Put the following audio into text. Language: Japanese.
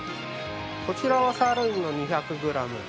こちらはサーロインの２００グラム。